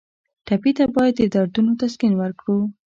ټپي ته باید د دردونو تسکین ورکړو.